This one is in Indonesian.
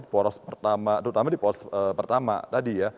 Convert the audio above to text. terutama di poros pertama tadi ya